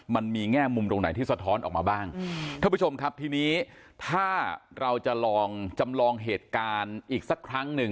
แง่มุมตรงไหนที่สะท้อนออกมาบ้างท่านผู้ชมครับทีนี้ถ้าเราจะลองจำลองเหตุการณ์อีกสักครั้งหนึ่ง